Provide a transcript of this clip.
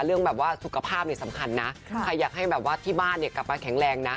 เรื่องแบบว่าสุขภาพเนี่ยสำคัญนะใครอยากให้แบบว่าที่บ้านเนี่ยกลับมาแข็งแรงนะ